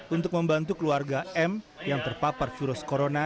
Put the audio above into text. untuk membantu keluarga m yang terpapar virus corona